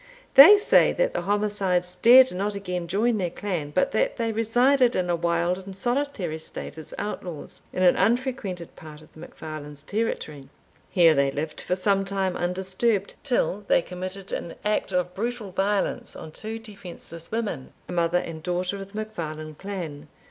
They say that the homicides dared not again join their clan, but that they resided in a wild and solitary state as outlaws, in an unfrequented part of the MacFarlanes' territory. Here they lived for some time undisturbed, till they committed an act of brutal violence on two defenceless women, a mother and daughter of the MacFarlane clan.